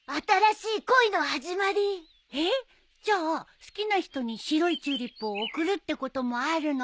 えっじゃあ好きな人に白いチューリップを贈るってこともあるの？